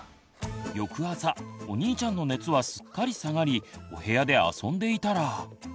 翌朝お兄ちゃんの熱はすっかり下がりお部屋で遊んでいたら。